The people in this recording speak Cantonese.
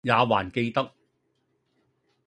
也還記得，